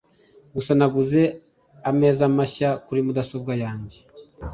Gusa naguze ameza mashya kuri mudasobwa yanjye.